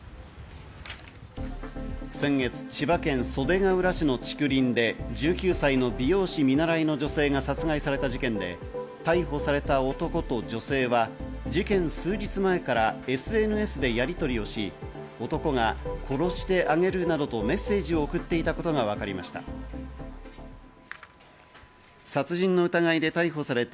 先月、千葉県袖ケ浦市の竹林で１９歳の美容師見習いの女性が殺害された事件で、逮捕された男と女性は事件数日前からＳＮＳでやりとりをし、男が、殺してあげるなどとメッセージを送っていたことがわかりました。